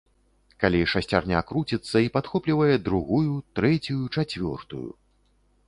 Калі шасцярня круціцца і падхоплівае другую, трэцюю, чацвёртую.